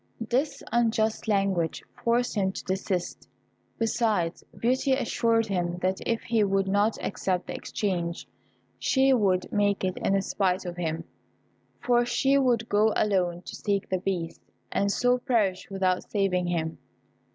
This unjust language forced him to desist; besides, Beauty assured him that if he would not accept the exchange, she would make it in spite of him, for she would go alone to seek the Beast, and so perish without saving him.